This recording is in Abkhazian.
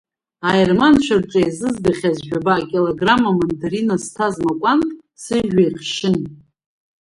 Аерманцәа рҿы еизызгахьаз жәабаҟа килограмм амандарина зҭаз макәанк сыжәҩа иахшьын.